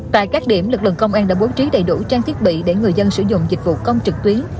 tại các điểm lực lượng công an đã bố trí đầy đủ trang thiết bị để người dân sử dụng dịch vụ công trực tuyến